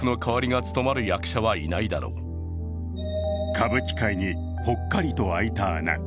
歌舞伎界にぽっかりと開いた穴。